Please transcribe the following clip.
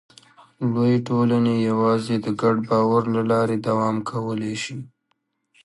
لویې ټولنې یواځې د ګډ باور له لارې دوام کولی شي.